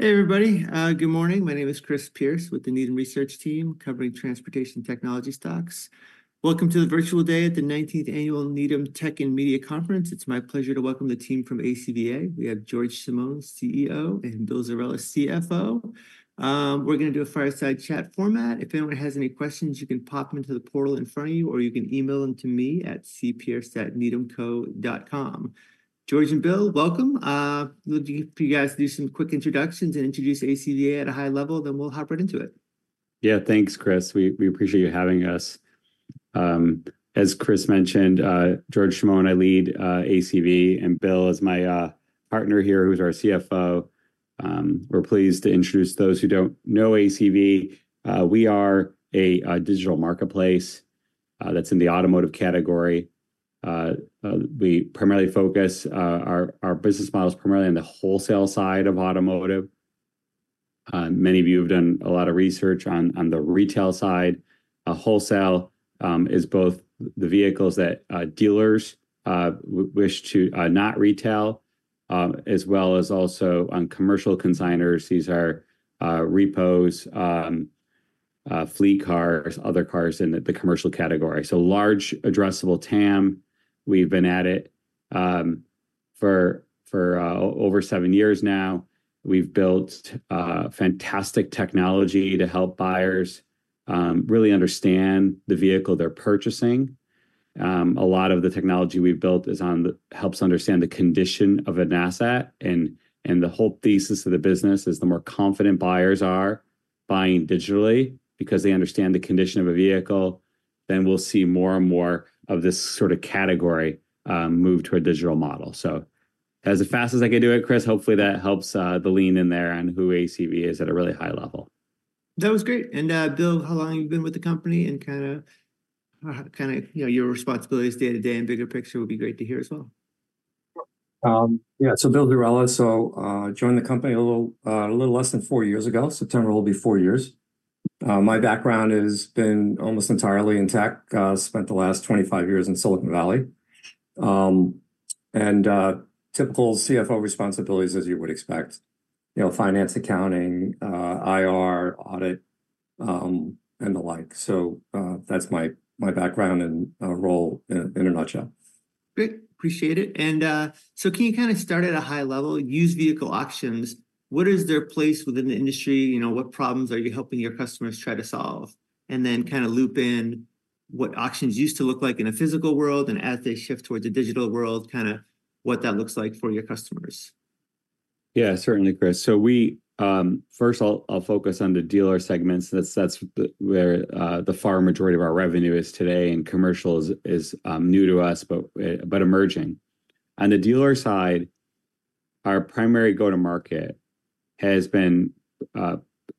Hey, everybody. Good morning. My name is Chris Pierce, with the Needham research team covering transportation technology stocks. Welcome to the virtual day at the nineteenth annual Needham Tech and Media Conference. It's my pleasure to welcome the team from ACVA. We have George Chamoun, CEO, and Bill Zerella, CFO. We're going to do a fireside chat format. If anyone has any questions, you can pop them into the portal in front of you, or you can email them to me at cpierce@needhamco.com. George and Bill, welcome. Would you guys do some quick introductions and introduce ACVA at a high level, then we'll hop right into it. Yeah. Thanks, Chris. We appreciate you having us. As Chris mentioned, George Chamoun. I lead ACV, and Bill is my partner here, who's our CFO. We're pleased to introduce... Those who don't know ACV, we are a digital marketplace that's in the automotive category. We primarily focus, our business model is primarily on the wholesale side of automotive. Many of you have done a lot of research on the retail side. Wholesale is both the vehicles that dealers wish to not retail, as well as also on commercial consignors. These are repos, fleet cars, other cars in the commercial category. So large addressable TAM. We've been at it for over seven years now. We've built fantastic technology to help buyers really understand the vehicle they're purchasing. A lot of the technology we've built helps understand the condition of an asset. And the whole thesis of the business is the more confident buyers are buying digitally because they understand the condition of a vehicle, then we'll see more and more of this sort of category move to a digital model. So as fast as I can do it, Chris, hopefully that helps the lean in there on who ACV is at a really high level. That was great. And, Bill, how long have you been with the company and kind of, you know, your responsibilities day to day and bigger picture would be great to hear as well. Yeah, so Bill Zerella. Joined the company a little, a little less than four-years ago. September will be four-years. My background has been almost entirely in tech. Spent the last 25 years in Silicon Valley. Typical CFO responsibilities, as you would expect, you know, finance, accounting, IR, audit, and the like. So, that's my, my background and, role in a, in a nutshell. Great, appreciate it. And, so can you kind of start at a high level, used vehicle auctions, what is their place within the industry? You know, what problems are you helping your customers try to solve? And then kind of loop in what auctions used to look like in a physical world and as they shift towards a digital world, kind of what that looks like for your customers. Yeah, certainly, Chris. So, first I'll focus on the dealer segments. That's where the far majority of our revenue is today, and commercial is new to us, but emerging. On the dealer side, our primary go-to-market has been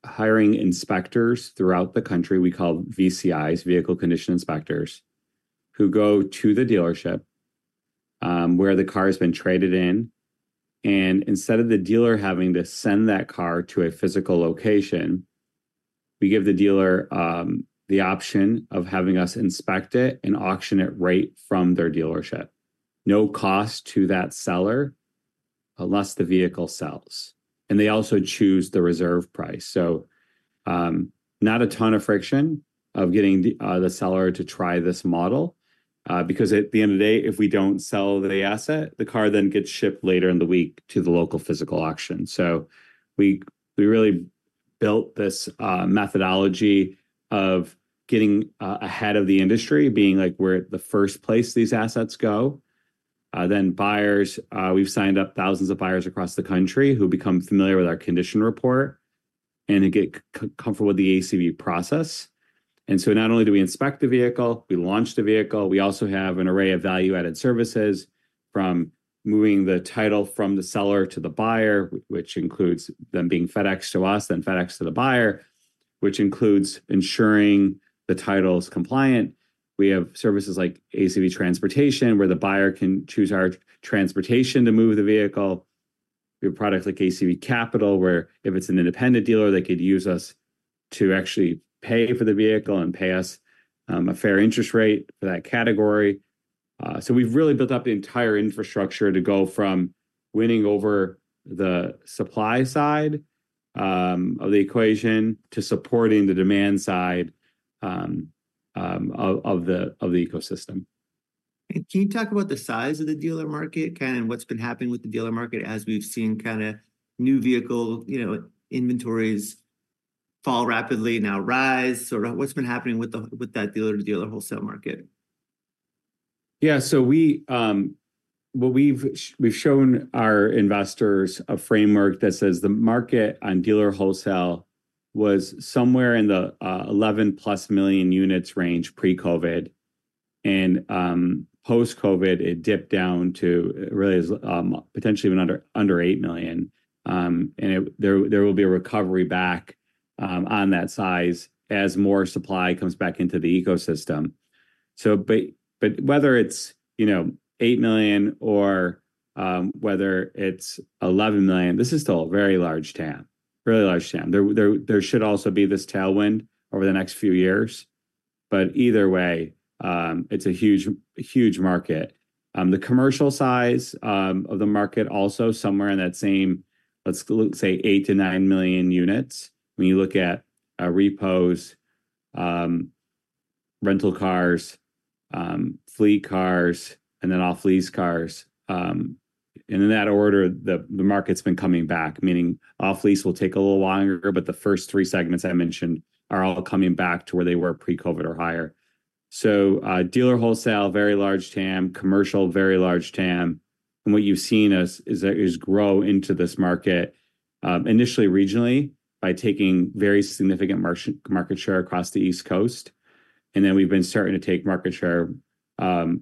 hiring inspectors throughout the country. We call them VCIs, Vehicle Condition Inspectors, who go to the dealership where the car has been traded in, and instead of the dealer having to send that car to a physical location, we give the dealer the option of having us inspect it and auction it right from their dealership. No cost to that seller, unless the vehicle sells. And they also choose the reserve price. So, not a ton of friction of getting the seller to try this model, because at the end of the day, if we don't sell the asset, the car then gets shipped later in the week to the local physical auction. So we really built this methodology of getting ahead of the industry, being like we're the first place these assets go. Then buyers, we've signed up thousands of buyers across the country who become familiar with our condition report, and they get comfortable with the ACV process. And so not only do we inspect the vehicle, we launch the vehicle, we also have an array of value-added services, from moving the title from the seller to the buyer, which includes them being FedExed to us, then FedExed to the buyer, which includes ensuring the title is compliant. We have services like ACV Transportation, where the buyer can choose our transportation to move the vehicle. We have a product like ACV Capital, where if it's an independent dealer, they could use us to actually pay for the vehicle and pay us a fair interest rate for that category. So we've really built up the entire infrastructure to go from winning over the supply side of the equation to supporting the demand side of the ecosystem. Can you talk about the size of the dealer market, kind of what's been happening with the dealer market as we've seen kind of new vehicle, you know, inventories fall rapidly, now rise? Sort of what's been happening with the, with that dealer-to-dealer wholesale market. Yeah, so what we've shown our investors a framework that says the market on dealer wholesale was somewhere in the 11+ million units range pre-COVID, and post-COVID, it dipped down to really as potentially even under 8 million. And there will be a recovery back on that size as more supply comes back into the ecosystem. But whether it's, you know, 8 million or whether it's 11 million, this is still a very large TAM, really large TAM. There should also be this tailwind over the next few years but either way, it's a huge, huge market. The commercial size of the market also somewhere in that same, let's say 8 million-9 million units. When you look at repos, rental cars, fleet cars, and then off-lease cars, and in that order, the market's been coming back, meaning off lease will take a little longer, but the first three segments I mentioned are all coming back to where they were pre-COVID or higher. So, dealer wholesale, very large TAM, commercial, very large TAM, and what you've seen us is grow into this market, initially regionally, by taking very significant market share across the East Coast. And then we've been starting to take market share,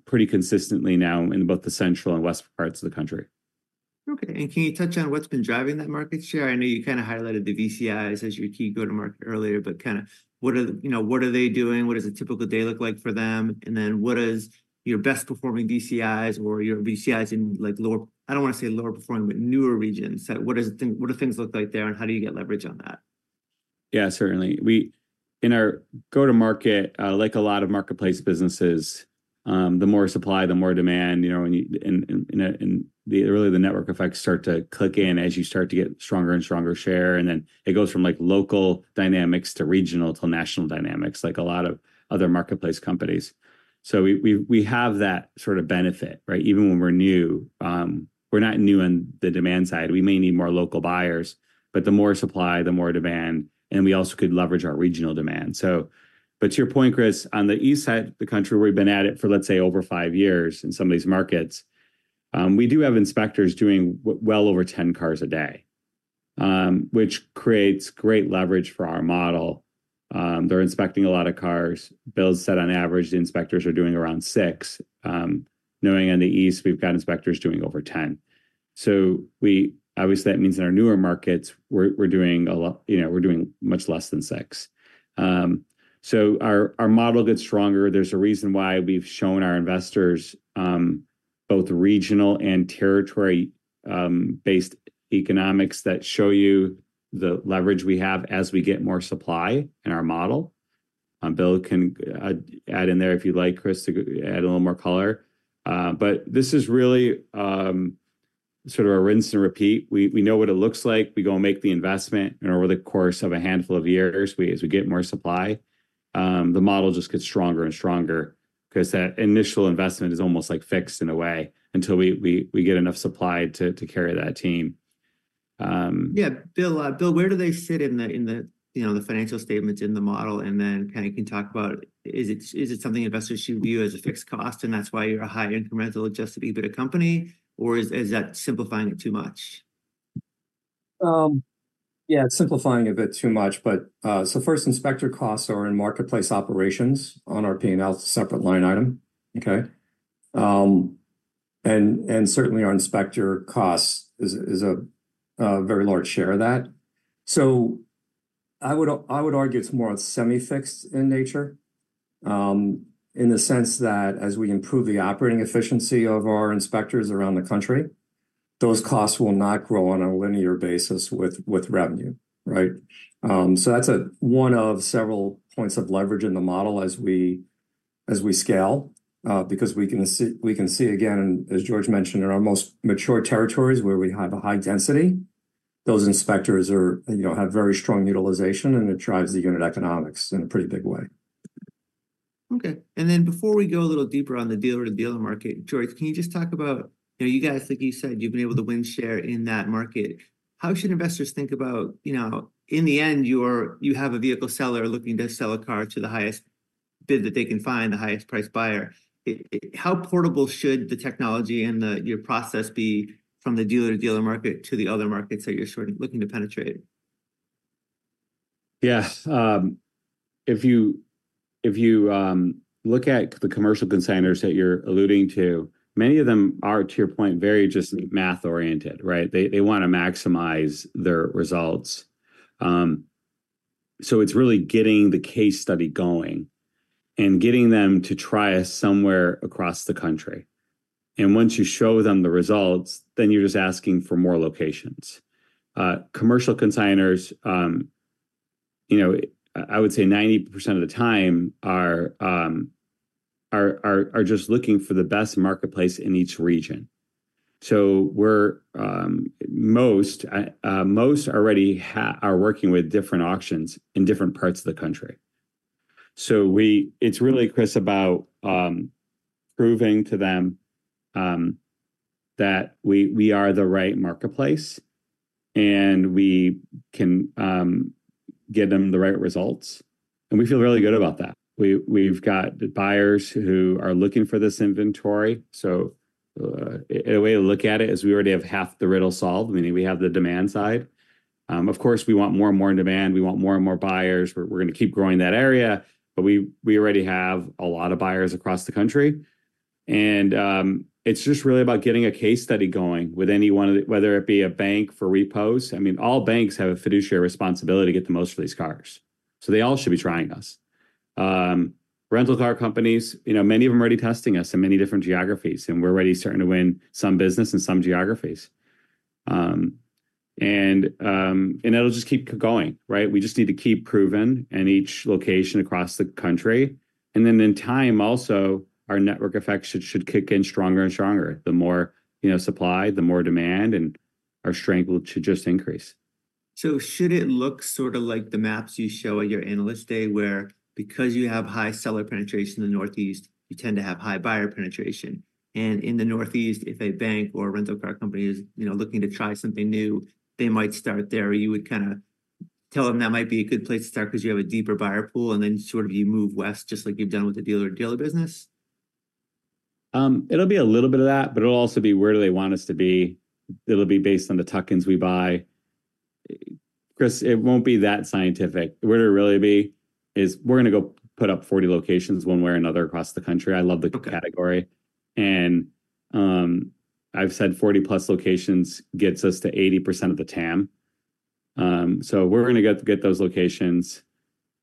pretty consistently now in both the Central and West parts of the country. Okay, and can you touch on what's been driving that market share? I know you kind of highlighted the VCIs as your key go-to-market earlier, but kind of what are you know, what are they doing? What does a typical day look like for them? And then what is your best performing VCIs or your VCIs in, like lower, I don't want to say lower performing, but newer regions? What do things look like there, and how do you get leverage on that? Yeah, certainly. We, in our go-to-market, like a lot of marketplace businesses, the more supply, the more demand, you know, and really, the network effects start to kick in as you start to get stronger and stronger share, and then it goes from, like, local dynamics to regional to national dynamics, like a lot of other marketplace companies. So we have that sort of benefit, right? Even when we're new. We're not new on the demand side. We may need more local buyers, but the more supply, the more demand, and we also could leverage our regional demand, so. But to your point, Chris, on the east side of the country, we've been at it for, let's say, over five years in some of these markets. We do have inspectors doing well over 10 cars a day, which creates great leverage for our model. They're inspecting a lot of cars. Bill said, on average, the inspectors are doing around six. Knowing on the east, we've got inspectors doing over 10. So we obviously, that means in our newer markets, we're doing a lot, you know, we're doing much less than six. So our model gets stronger. There's a reason why we've shown our investors both regional and territory based economics that show you the leverage we have as we get more supply in our model. Bill can add in there if you'd like, Chris, to add a little more color. But this is really sort of a rinse and repeat. We know what it looks like. We go make the investment, and over the course of a handful of years, we, as we get more supply, the model just gets stronger and stronger because that initial investment is almost, like, fixed in a way, until we get enough supply to carry that team- Yeah. Bill, Bill, where do they fit in the, in the, you know, the financial statements in the model, and then kind of can talk about is it, is it something investors should view as a fixed cost, and that's why you're a high incremental Adjusted EBITDA company, or is, is that simplifying it too much? Yeah, it's simplifying a bit too much, but, so first inspector costs are in Marketplace Operations on our P&L, separate line item. Okay? And certainly our inspector costs is a very large share of that. So I would argue it's more semi-fixed in nature, in the sense that as we improve the operating efficiency of our inspectors around the country, those costs will not grow on a linear basis with revenue, right? So that's one of several points of leverage in the model as we scale, because we can see, again, as George mentioned, in our most mature territories where we have a high density, those inspectors, you know, have very strong utilization, and it drives the unit economics in a pretty big way. Okay, and then before we go a little deeper on the dealer-to-dealer market, George, can you just talk about, you know, you guys, like you said, you've been able to win share in that market. How should investors think about, you know, in the end, you're, you have a vehicle seller looking to sell a car to the highest bid that they can find, the highest priced buyer. How portable should the technology and the, your process be from the dealer-to-dealer market to the other markets that you're sort of looking to penetrate? Yes, if you look at the commercial consignors that you're alluding to, many of them are, to your point, very just math-oriented, right? They want to maximize their results. So it's really getting the case study going and getting them to try us somewhere across the country. And once you show them the results, then you're just asking for more locations. Commercial consignors, you know, I would say 90% of the time are just looking for the best marketplace in each region. So we're most already are working with different auctions in different parts of the country. It's really, Chris, about proving to them that we are the right marketplace, and we can get them the right results, and we feel really good about that. We, we've got buyers who are looking for this inventory, so, a way to look at it is we already have half the riddle solved, meaning we have the demand side. Of course, we want more and more demand. We want more and more buyers. We're, we're going to keep growing that area, but we, we already have a lot of buyers across the country, and, it's just really about getting a case study going with any one of the... whether it be a bank for repos. I mean, all banks have a fiduciary responsibility to get the most of these cars, so they all should be trying us. Rental car companies, you know, many of them are already testing us in many different geographies, and we're already starting to win some business in some geographies. And it'll just keep going, right? We just need to keep proving in each location across the country, and then in time also, our network effect should kick in stronger and stronger. The more, you know, supply, the more demand, and our strength should just increase. So should it look sort of like the maps you show at your analyst day, where because you have high seller penetration in the Northeast, you tend to have high buyer penetration, and in the Northeast, if a bank or a rental car company is, you know, looking to try something new, they might start there, or you would kind of tell them that might be a good place to start because you have a deeper buyer pool, and then sort of you move west, just like you've done with the dealer-to-dealer business? It'll be a little bit of that, but it'll also be where do they want us to be. It'll be based on the tuck-ins we buy. Chris, it won't be that scientific. What it'll really be is we're gonna go put up 40 locations, one way or another, across the country. I love the category- Okay... and, I've said 40+ locations gets us to 80% of the TAM. So, we're gonna get those locations,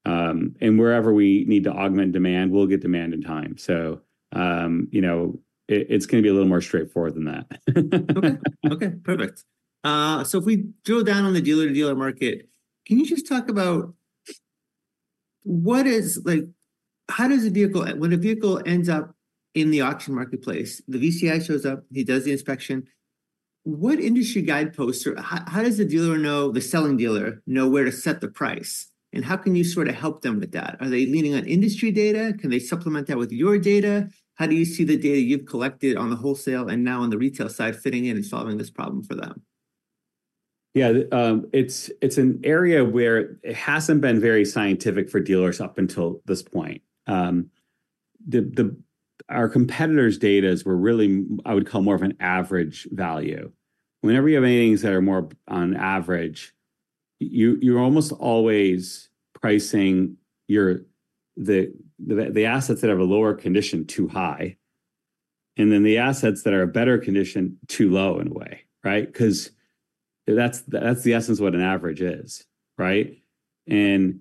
and wherever we need to augment demand, we'll get demand in time. So, you know, it's gonna be a little more straightforward than that. Okay. Okay, perfect. So if we drill down on the dealer-to-dealer market, can you just talk about what is... Like, how does a vehicle- when a vehicle ends up in the auction marketplace, the VCI shows up, he does the inspection. What industry guideposts, or how does the dealer know, the selling dealer, know where to set the price, and how can you sort of help them with that? Are they leaning on industry data? Can they supplement that with your data? How do you see the data you've collected on the wholesale and now on the retail side fitting in and solving this problem for them? Yeah, it's an area where it hasn't been very scientific for dealers up until this point. The our competitors' data were really, I would call more of an average value. Whenever you have any things that are more on average, you're almost always pricing your assets that have a lower condition too high, and then the assets that are in better condition too low in a way, right? 'Cause that's the essence of what an average is, right? And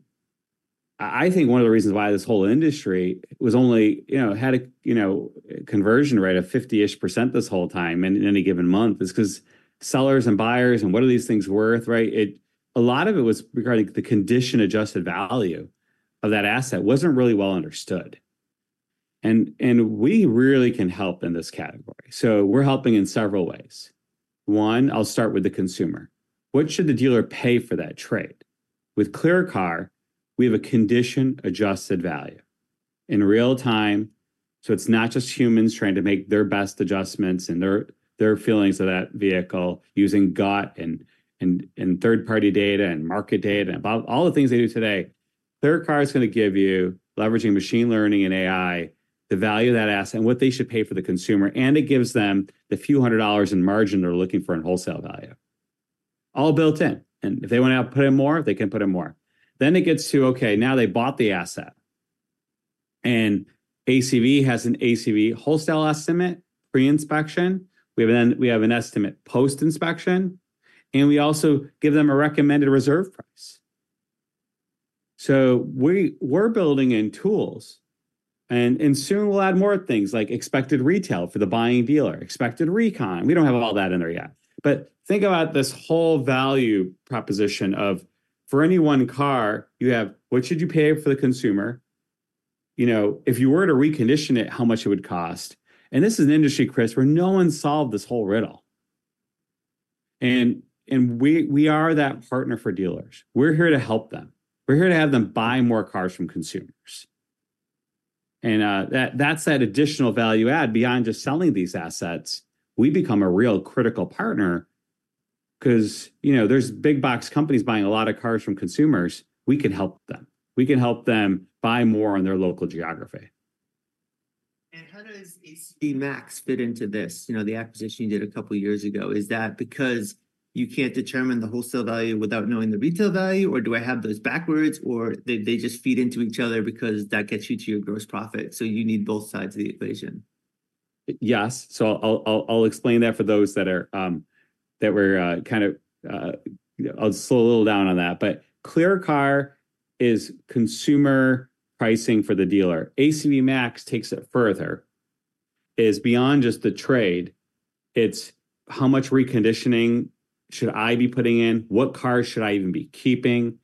I think one of the reasons why this whole industry was only, you know, had a, you know, conversion rate of 50-ish% this whole time, in any given month, is 'cause sellers and buyers and what are these things worth, right? A lot of it was regarding the condition-adjusted value of that asset wasn't really well understood, and we really can help in this category. So we're helping in several ways. One, I'll start with the consumer. What should the dealer pay for that trade? With ClearCar, we have a condition-adjusted value in real time, so it's not just humans trying to make their best adjustments and their feelings of that vehicle using gut and third-party data and market data and all the things they do today. ClearCar is gonna give you, leveraging machine learning and AI, the value of that asset and what they should pay for the consumer, and it gives them $a few hundred in margin they're looking for in wholesale value. All built in, and if they want to put in more, they can put in more. Then it gets to, okay, now they bought the asset, and ACV has an ACV wholesale estimate pre-inspection. We have an estimate post-inspection, and we also give them a recommended reserve price. So we're building in tools, and soon we'll add more things like expected retail for the buying dealer, expected recon. We don't have all that in there yet. But think about this whole value proposition of, for any one car you have, what should you pay for the consumer? You know, if you were to recondition it, how much it would cost, and this is an industry, Chris, where no one solved this whole riddle, and we are that partner for dealers. We're here to help them. We're here to have them buy more cars from consumers, and that's that additional value add. Beyond just selling these assets, we become a real critical partner 'cause, you know, there's big box companies buying a lot of cars from consumers. We can help them. We can help them buy more on their local geography. How does ACV MAX fit into this? You know, the acquisition you did a couple of years ago. Is that because you can't determine the wholesale value without knowing the retail value, or do I have those backwards, or they, they just feed into each other because that gets you to your gross profit, so you need both sides of the equation? Yes, so I'll explain that for those that are kind of new to this. I'll slow a little down on that, but ClearCar is consumer pricing for the dealer. ACV MAX takes it further. It is beyond just the trade, it's how much reconditioning should I be putting in? What car should I even be keeping?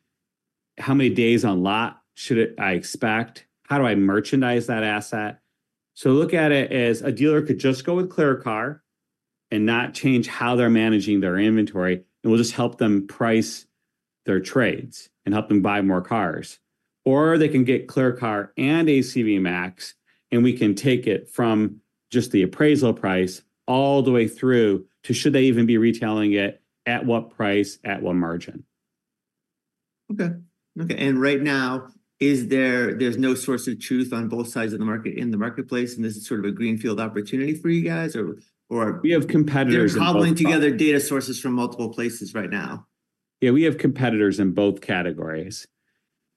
How many days on lot should I expect? How do I merchandise that asset? So look at it as a dealer could just go with ClearCar and not change how they're managing their inventory, and we'll just help them price their trades and help them buy more cars. Or they can get ClearCar and ACV MAX, and we can take it from just the appraisal price all the way through to should they even be retailing it, at what price, at what margin? Okay. Okay, and right now there's no source of truth on both sides of the market in the marketplace, and this is sort of a greenfield opportunity for you guys or, or- We have competitors- They're cobbling together data sources from multiple places right now. Yeah, we have competitors in both categories,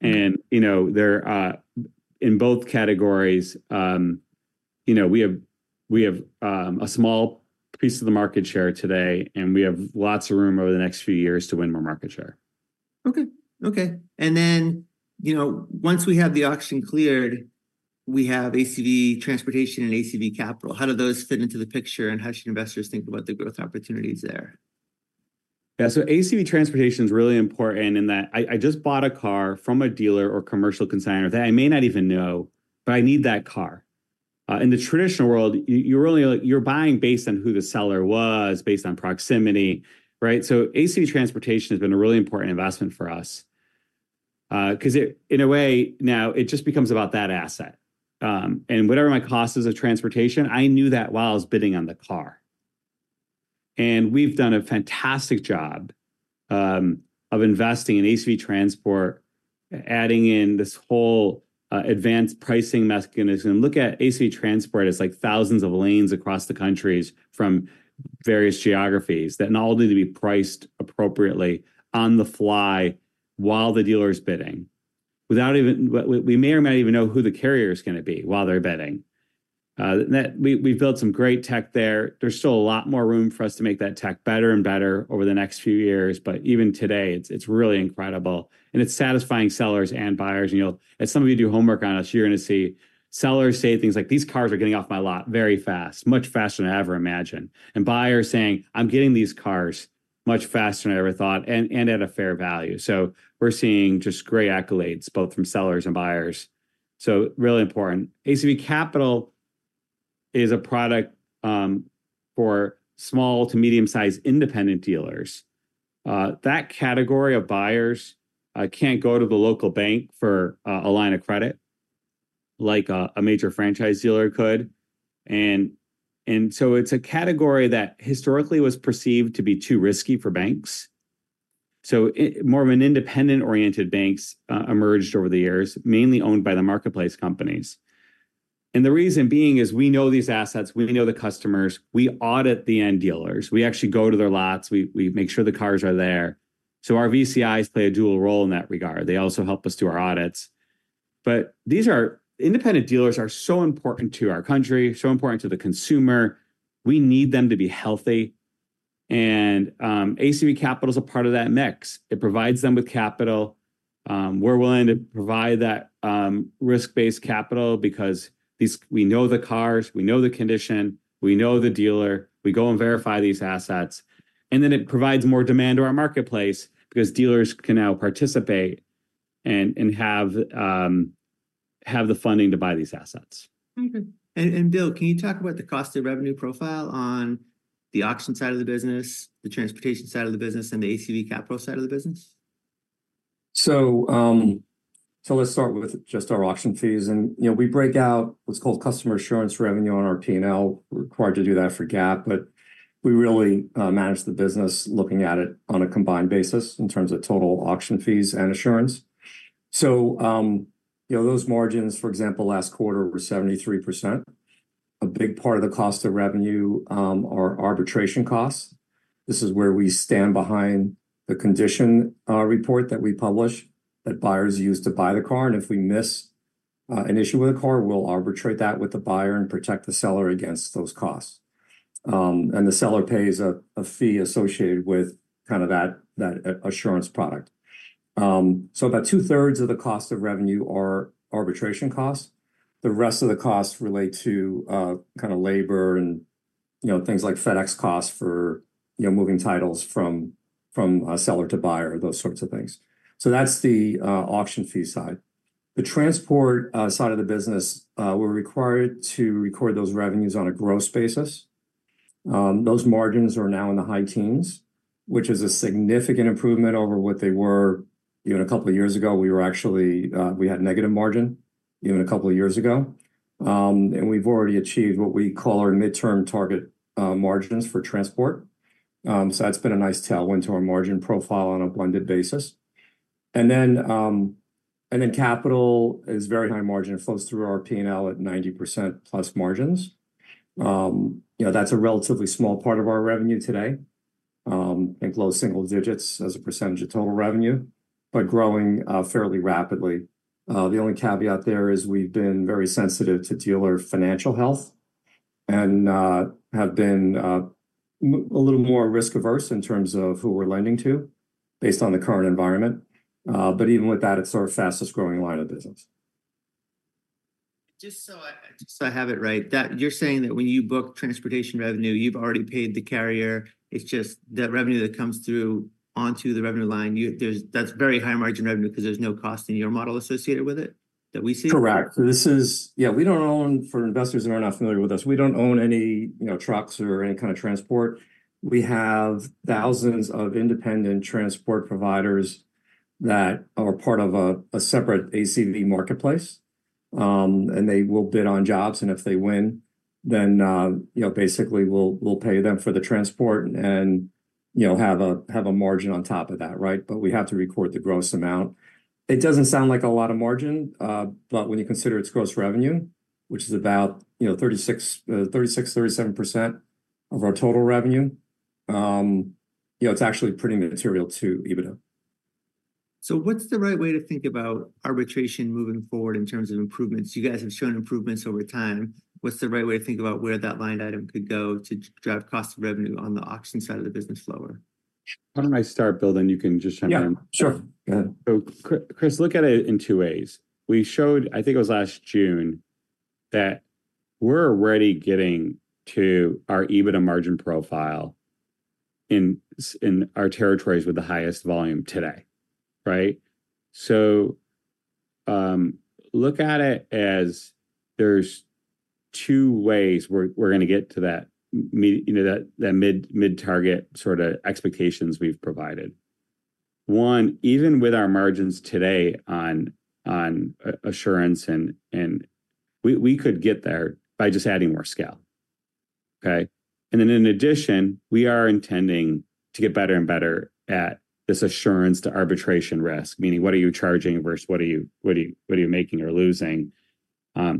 and you know, they're in both categories, you know, we have a small piece of the market share today, and we have lots of room over the next few years to win more market share.... Okay, okay. And then, you know, once we have the auction cleared, we have ACV Transportation and ACV Capital. How do those fit into the picture, and how should investors think about the growth opportunities there? Yeah, so ACV Transportation is really important in that I just bought a car from a dealer or commercial consignor that I may not even know, but I need that car. In the traditional world, you're only buying based on who the seller was, based on proximity, right? So ACV Transportation has been a really important investment for us, 'cause it, in a way, now it just becomes about that asset. And whatever my cost is of transportation, I knew that while I was bidding on the car. And we've done a fantastic job of investing in ACV Transport, adding in this whole advanced pricing mechanism. Look at ACV Transport as, like, thousands of lanes across the countries from various geographies that all need to be priced appropriately on the fly while the dealer's bidding, without even, we may or may not even know who the carrier is gonna be while they're bidding. That we, we've built some great tech there. There's still a lot more room for us to make that tech better and better over the next few years, but even today, it's, it's really incredible, and it's satisfying sellers and buyers. You know, as some of you do homework on us, you're gonna see sellers say things like, "These cars are getting off my lot very fast, much faster than I ever imagined," and buyers saying, "I'm getting these cars much faster than I ever thought and at a fair value." So we're seeing just great accolades, both from sellers and buyers, so really important. ACV Capital is a product for small to medium-sized independent dealers. That category of buyers can't go to the local bank for a line of credit like a major franchise dealer could. And so it's a category that historically was perceived to be too risky for banks, so more of an independent-oriented banks emerged over the years, mainly owned by the marketplace companies. The reason being is we know these assets, we know the customers, we audit the end dealers. We actually go to their lots. We make sure the cars are there. So our VCIs play a dual role in that regard. They also help us do our audits. But independent dealers are so important to our country, so important to the consumer. We need them to be healthy, and ACV Capital is a part of that mix. It provides them with capital. We're willing to provide that risk-based capital because we know the cars, we know the condition, we know the dealer, we go and verify these assets, and then it provides more demand to our marketplace because dealers can now participate and have the funding to buy these assets. Mm-hmm. And, and Bill, can you talk about the cost of revenue profile on the auction side of the business, the transportation side of the business, and the ACV Capital side of the business? So, let's start with just our auction fees. You know, we break out what's called customer assurance revenue on our P&L. We're required to do that for GAAP, but we really manage the business looking at it on a combined basis in terms of total auction fees and assurance. You know, those margins, for example, last quarter were 73%. A big part of the cost of revenue are arbitration costs. This is where we stand behind the condition report that we publish, that buyers use to buy the car, and if we miss an issue with the car, we'll arbitrate that with the buyer and protect the seller against those costs. And the seller pays a fee associated with kind of that assurance product. So about two-thirds of the cost of revenue are arbitration costs. The rest of the costs relate to, kind of labor and, you know, things like FedEx costs for, you know, moving titles from seller to buyer, those sorts of things. So that's the auction fee side. The transport side of the business, we're required to record those revenues on a gross basis. Those margins are now in the high teens, which is a significant improvement over what they were even a couple of years ago. We were actually, we had negative margin even a couple of years ago. And we've already achieved what we call our midterm target, margins for transport. So that's been a nice tailwind to our margin profile on a blended basis. And then capital is very high margin. It flows through our P&L at 90%+ margins. You know, that's a relatively small part of our revenue today. I think low single digits as a percentage of total revenue, but growing fairly rapidly. The only caveat there is we've been very sensitive to dealer financial health and have been a little more risk-averse in terms of who we're lending to based on the current environment. But even with that, it's our fastest-growing line of business. Just so I, just so I have it right, that you're saying that when you book transportation revenue, you've already paid the carrier. It's just that revenue that comes through onto the revenue line, that's very high margin revenue because there's no cost in your model associated with it, that we see? Correct. So this is. Yeah, we don't own, for investors who are not familiar with us, we don't own any, you know, trucks or any kind of transport. We have thousands of independent transport providers that are part of a separate ACV marketplace. And they will bid on jobs, and if they win, then, you know, basically we'll pay them for the transport and, you know, have a margin on top of that, right? But we have to record the gross amount. It doesn't sound like a lot of margin, but when you consider its gross revenue, which is about, you know, 36%-37% of our total revenue, you know, it's actually pretty material to EBITDA. So what's the right way to think about arbitration moving forward in terms of improvements? You guys have shown improvements over time. What's the right way to think about where that line item could go to drive cost of revenue on the auction side of the business lower?... Why don't I start, Bill, then you can just chime in? Yeah, sure. Go ahead. So Chris, look at it in two ways. We showed, I think it was last June, that we're already getting to our EBITDA margin profile in, in our territories with the highest volume today, right? So, look at it as there's two ways we're, we're gonna get to that you know, that, that mid, mid target sort of expectations we've provided. One, even with our margins today on, on, assurance, and, and we, we could get there by just adding more scale, okay? And then in addition, we are intending to get better and better at this assurance to arbitration risk, meaning what are you charging versus what are you, what are you, what are you making or losing?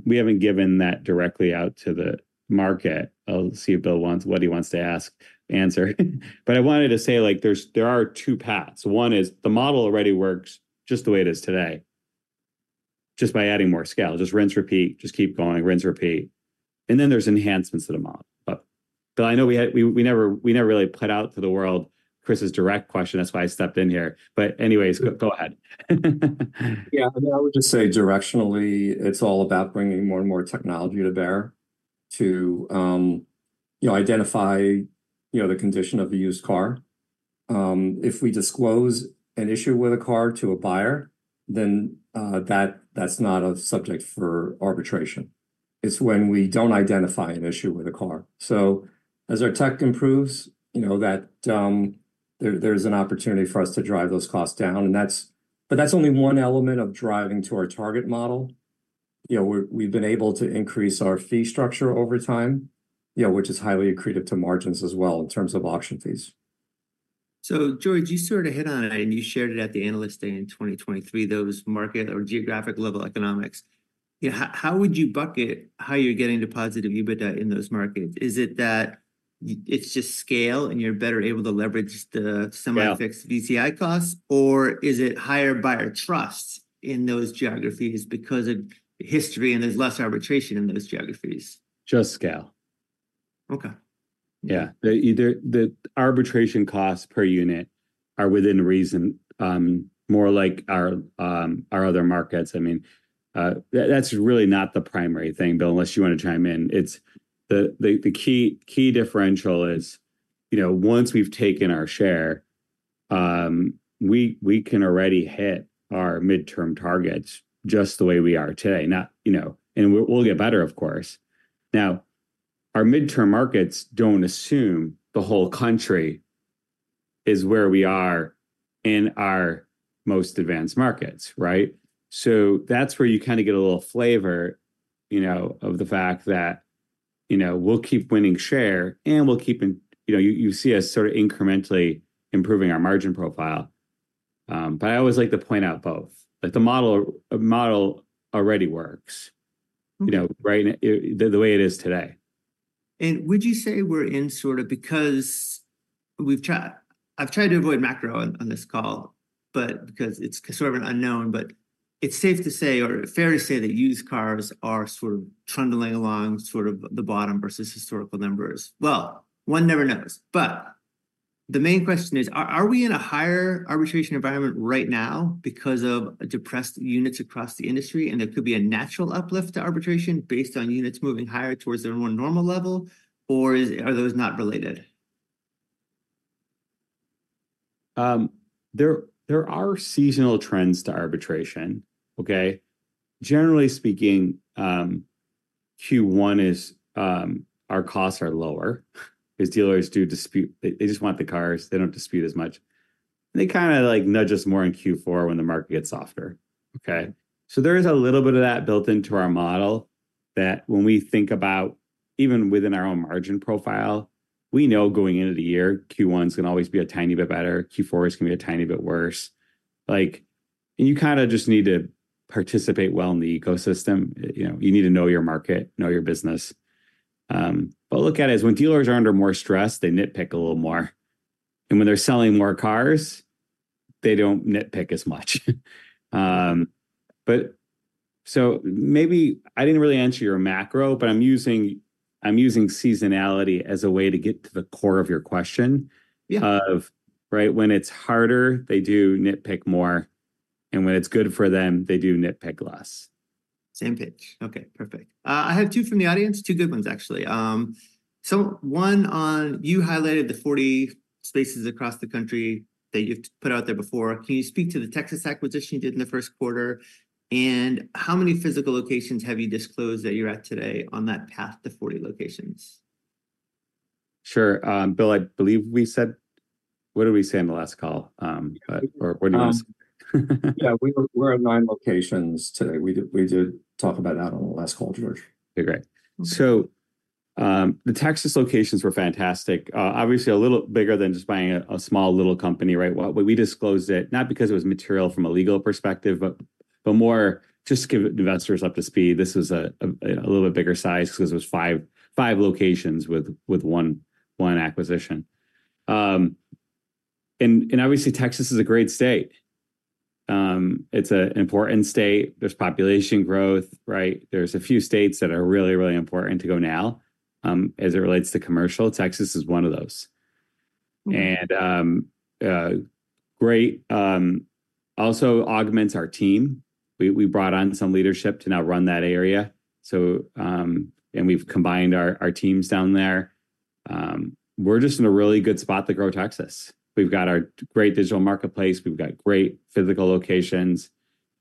We haven't given that directly out to the market. I'll see if Bill wants what he wants to ask, answer. But I wanted to say, like, there are two paths. One is the model already works just the way it is today, just by adding more scale. Just rinse, repeat, just keep going, rinse, repeat. And then there's enhancements to the model. But I know we had... We never really put out to the world Chris's direct question, that's why I stepped in here. But anyways, go ahead. Yeah, I mean, I would just say directionally, it's all about bringing more and more technology to bear to, you know, identify, you know, the condition of the used car. If we disclose an issue with a car to a buyer, then, that, that's not a subject for arbitration. It's when we don't identify an issue with a car. So as our tech improves, you know, that, there, there's an opportunity for us to drive those costs down, and that's, but that's only one element of driving to our target model. You know, we've been able to increase our fee structure over time, you know, which is highly accretive to margins as well in terms of auction fees. So, George, you sort of hit on it, and you shared it at the Analyst Day in 2023, those market or geographic level economics. You know, how would you bucket how you're getting to positive EBITDA in those markets? Is it that it's just scale, and you're better able to leverage the- Yeah... semi-fixed VCI costs, or is it higher buyer trust in those geographies because of history and there's less arbitration in those geographies? Just scale. Okay. Yeah. The arbitration costs per unit are within reason, more like our other markets. I mean, that's really not the primary thing, Bill, unless you want to chime in. It's the key differential is, you know, once we've taken our share, we can already hit our midterm targets just the way we are today. Not, you know. And we'll get better, of course. Now, our midterm markets don't assume the whole country is where we are in our most advanced markets, right? So that's where you kind of get a little flavor, you know, of the fact that, you know, we'll keep winning share, and we'll keep improving, you know, you see us sort of incrementally improving our margin profile. But I always like to point out both, that the model already works- Okay... you know, right, the way it is today. Would you say we're in sort of, because we've tried, I've tried to avoid macro on this call, but because it's sort of an unknown. It's safe to say, or fair to say, that used cars are sort of trundling along sort of the bottom versus historical numbers. Well, one never knows. The main question is, are we in a higher arbitration environment right now because of depressed units across the industry, and there could be a natural uplift to arbitration based on units moving higher towards their more normal level, or are those not related? There are seasonal trends to arbitration, okay? Generally speaking, Q1 is our costs are lower because dealers do dispute. They just want the cars. They don't dispute as much. They kind of, like, nudge us more in Q4 when the market gets softer, okay? So there is a little bit of that built into our model that when we think about, even within our own margin profile, we know going into the year, Q1 is gonna always be a tiny bit better, Q4 is gonna be a tiny bit worse. Like, you kind of just need to participate well in the ecosystem. You know, you need to know your market, know your business. But look at it as when dealers are under more stress, they nitpick a little more. When they're selling more cars, they don't nitpick as much. But, so maybe I didn't really answer your macro, but I'm using, I'm using seasonality as a way to get to the core of your question... Yeah... of, right, when it's harder, they do nitpick more, and when it's good for them, they do nitpick less. Same page. Okay, perfect. I have two from the audience, two good ones, actually. So one on, you highlighted the 40 spaces across the country that you've put out there before. Can you speak to the Texas acquisition you did in the first quarter, and how many physical locations have you disclosed that you're at today on that path to 40 locations? Sure. Bill, I believe we said... What did we say on the last call? What did he ask? Yeah, we're at nine locations today. We did talk about that on the last call, George. Okay, great. Mm-hmm. The Texas locations were fantastic. Obviously, a little bigger than just buying a small, little company, right? Well, we disclosed it, not because it was material from a legal perspective, but more just to give investors up to speed. This was a little bit bigger size because it was 5 locations with one acquisition. Obviously, Texas is a great state. It's an important state. There's population growth, right? There's a few states that are really, really important to go now, as it relates to commercial. Texas is one of those. Mm. And, great, also augments our team. We brought on some leadership to now run that area. So, and we've combined our teams down there. We're just in a really good spot to grow Texas. We've got our great digital marketplace. We've got great physical locations.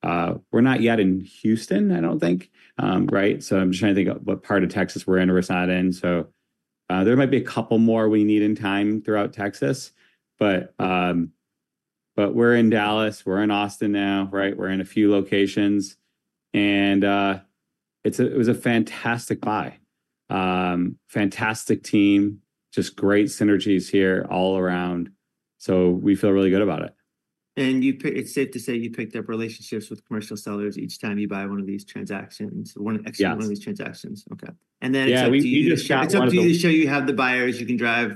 We're not yet in Houston, I don't think. Right? So I'm just trying to think of what part of Texas we're in or we're not in. So, there might be a couple more we need in time throughout Texas, but we're in Dallas, we're in Austin now, right? We're in a few locations, and it was a fantastic buy. Fantastic team, just great synergies here all around, so we feel really good about it. It's safe to say you picked up relationships with commercial sellers each time you buy one of these transactions, one- Yes... exit one of these transactions. Okay. And then it's up to you- Yeah, we just got one of the- It's up to you to show you have the buyers. You can drive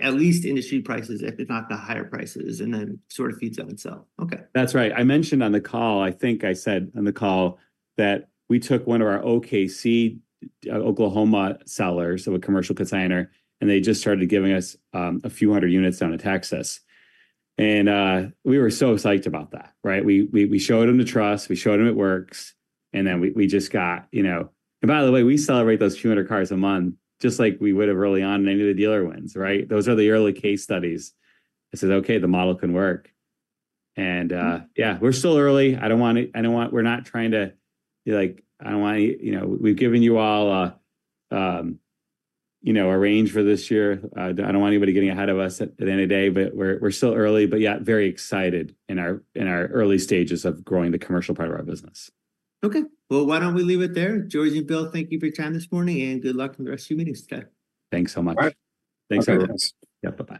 at least industry prices, if not the higher prices, and then sort of feeds on itself. Okay. That's right. I mentioned on the call, I think I said on the call, that we took one of our OKC, Oklahoma sellers, so a commercial consignor, and they just started giving us, a few hundred units down to Texas, and, we were so psyched about that, right? We showed them the trust, we showed them it works, and then we just got, you know... And by the way, we celebrate those few hundred cars a month, just like we would've early on in any of the dealer wins, right? Those are the early case studies. It says, "Okay, the model can work. Mm. Yeah, we're still early. I don't want to. I don't want—we're not trying to be like. I don't want any. You know, we've given you all, you know, a range for this year. I don't want anybody getting ahead of us at the end of the day, but we're still early, but yet very excited in our early stages of growing the commercial part of our business. Okay. Well, why don't we leave it there? George and Bill, thank you for your time this morning, and good luck on the rest of your meetings today. Thanks so much. All right. Thanks, everyone. Yeah, bye-bye.